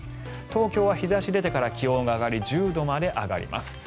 東京は日差しが出てから気温が上がり１０度まで上がります。